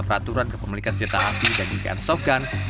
peraturan kepemilikan senjata api dan jika airsoft gun